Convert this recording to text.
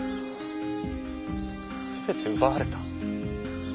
全て奪われた。